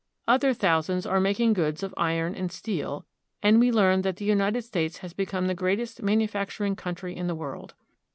Other thousands are making goods of iron and steel; and we learn that the United States has become the greatest manufacturing country in the world.